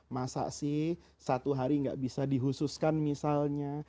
masa sih satu hari nggak bisa dihususkan misalnya